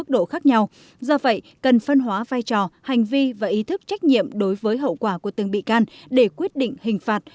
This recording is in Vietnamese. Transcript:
do vậy cần phân hóa vai trò hành vi và ý thức trách nhiệm đối với hậu quả của từng bị can để quyết định hình phạt